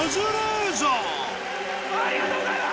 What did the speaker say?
ありがとうございます！